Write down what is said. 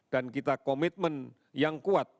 dan kita komitmen yang kuat